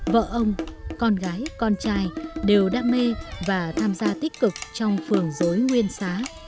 vợ ông con gái con trai đều đam mê và tham gia tích cực trong phường dối nguyên xá